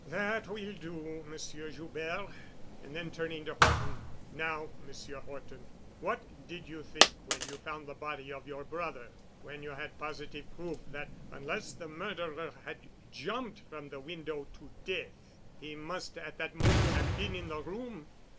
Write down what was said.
"That will do, Monsieur Joubert." And then turning to Horton. "Now, Monsieur Horton, what did you think when you found the body of your brother, when you had positive proof that unless the murderer had jumped from the window to death, he must at that moment have been in the room?"